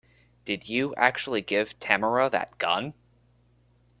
Did you actually give Tamara that gun?